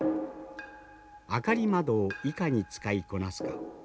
明り窓をいかに使いこなすか。